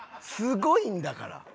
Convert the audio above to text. すごいんだから。